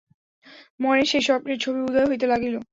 মনে সেই স্বপ্নের ছবিই উদয় হইতে লাগিল।